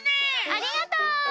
ありがとう！